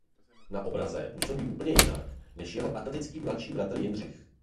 Na obraze působí úplně jinak než jeho atletický mladší bratr Jindřich.